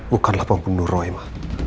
bukanlah pembunuh roy ma